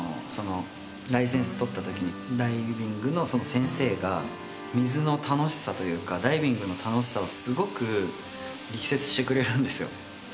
そのライセンス取った時にダイビングのその先生が水の楽しさというかダイビングの楽しさをすごく力説してくれるんですよ